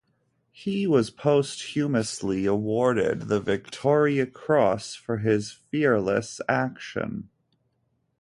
He was posthumously awarded the Victoria Cross for his fearless action.